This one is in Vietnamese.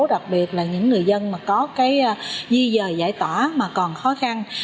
đặc biệt là những người dân mà có cái di dời giải tỏa mà còn khó khăn